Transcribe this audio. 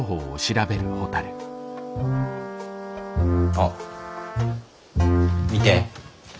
あっ見て。